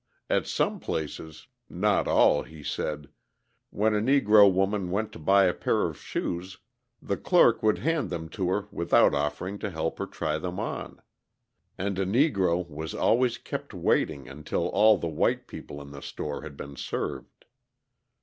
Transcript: At some places not all, he said when a Negro woman went to buy a pair of shoes, the clerk would hand them to her without offering to help her try them on; and a Negro was always kept waiting until all the white people in the store had been served.